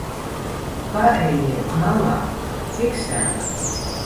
Paejiet malā, fiksāk!